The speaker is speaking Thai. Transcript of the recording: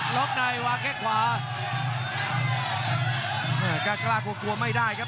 ล๊อคไนท์วางแค่ขวาอ่ากล้ากล้ากลัวไม่ได้ครับ